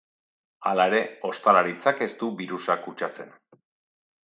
Hala ere, ostalaritzak ez du birusa kutsatzen.